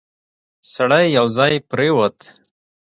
سړی یو ځای پرېووت.